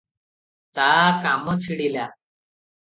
ତା କାମ ଛିଡ଼ିଲା ।